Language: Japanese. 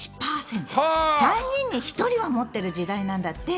３人に１人は持ってる時代なんだって。